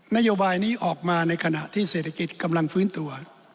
นโยบายนี้ออกมาในขณะที่เศรษฐกิจกำลังฟื้นตัว